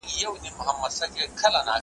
له دانا مي زړګی شین دی په نادان اعتبار نسته ,